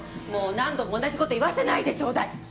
もう何度も同じ事言わせないでちょうだい！